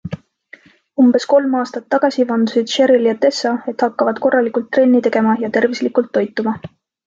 Umbes kolm aastat tagasi vandusid Cheryl ja Tessa, et hakkavad korralikult trenni tegema ja tervislikult toituma.